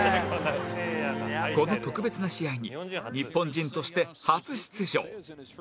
この特別な試合に日本人として初出場